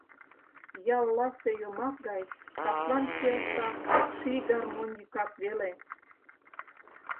Ялласе Йомак гай каслан Келша ший гармонь йӱкак веле.